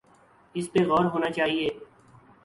اس پہ غور ہونا چاہیے۔